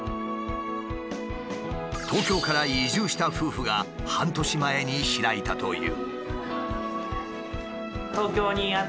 東京から移住した夫婦が半年前に開いたという。